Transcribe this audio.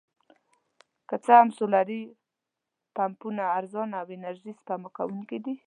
که څه هم سولري پمپونه ارزانه او انرژي سپما کوونکي دي.